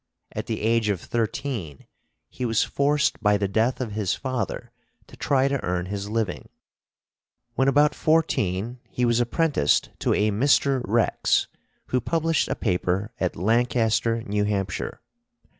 At the age of thirteen he was forced by the death of his father to try to earn his living. When about fourteen, he was apprenticed to a Mr. Rex, who published a paper at Lancaster, New Hampshire.